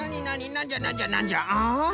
なんじゃなんじゃなんじゃ？